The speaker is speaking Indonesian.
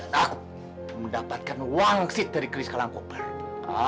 dan aku mendapatkan wang sid dari keris kalangkobar